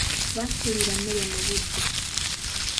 Lwaki toliira mmere mu budde?